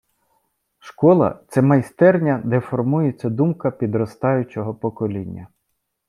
Школа — це майстерня, де формується думка підростаючого покоління.